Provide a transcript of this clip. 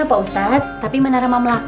udah sampe mana cie sih